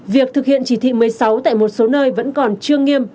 việc thực hiện chỉ thị một mươi sáu tại một số nơi vẫn còn chưa nghiêm